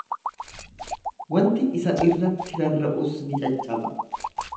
Wanti isa irratti rarra'us ni caccaba.